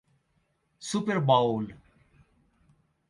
Super Bowl